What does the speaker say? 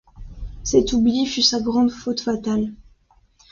Cet oubli fut sa grande faute fatale.